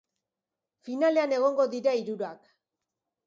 Finalean egongo dira hirurak.